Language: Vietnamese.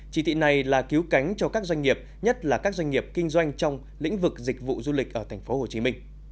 chỉ thị này là cứu cánh cho các doanh nghiệp nhất là các doanh nghiệp kinh doanh trong lĩnh vực dịch vụ du lịch ở tp hcm